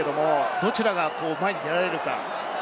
どちらが前に出られるか？